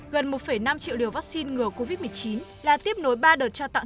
gần một năm triệu liều vaccine ngừa covid một mươi chín là tiếp nối ba đợt trao tặng